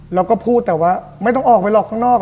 แล้วก็พูดแต่ว่าไม่ต้องออกไปหรอกข้างนอก